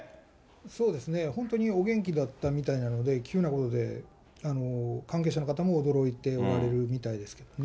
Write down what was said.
そうですね、本当にお元気だったみたいなので、急なことで関係者の方も驚いておられるみたいですけどね。